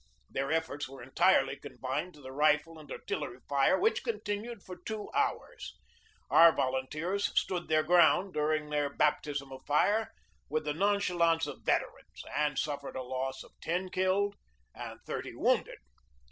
Their efforts were entirely confined to the rifle and artillery fire, which continued for two hours. Our volunteers stood their ground during their bap tism of fire with the nonchalance of veterans, and suffered a loss of ten killed and thirty wounded.